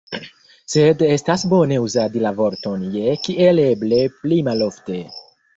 Sed estas bone uzadi la vorton « je » kiel eble pli malofte.